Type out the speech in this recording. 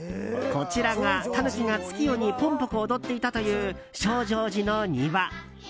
こちらが、タヌキが月夜にぽんぽこ踊っていたという證誠寺の庭。